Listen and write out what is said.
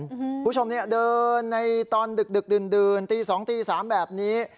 คุณผู้ชมเนี่ยเดินในตอนดึกดื่นตี๒ตี๓แบบนี้